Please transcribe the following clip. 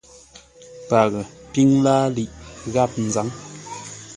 Paghʼə píŋ láaliʼ gháp nzâŋ.